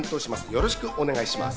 よろしくお願いします。